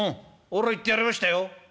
俺は言ってやりましたよ」。